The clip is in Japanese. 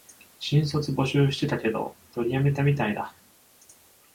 新卒募集してたけど、取りやめたみたいだ